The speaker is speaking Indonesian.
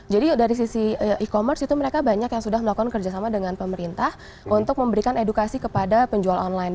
jadi dari sisi e commerce itu mereka banyak yang sudah melakukan kerjasama dengan pemerintah untuk memberikan edukasi kepada penjual online